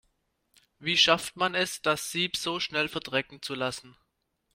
Wie schafft man es, das Sieb so schnell verdrecken zu lassen?